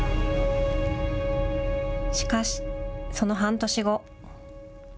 しかし、その半年後。